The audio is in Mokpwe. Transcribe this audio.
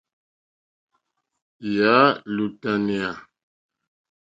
Yà á !lútánéá.